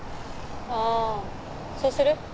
ああそうする？